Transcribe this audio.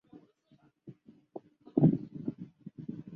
他也撤退了。